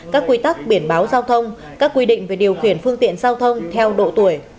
các quy tắc biển báo giao thông các quy định về điều khiển phương tiện giao thông theo độ tuổi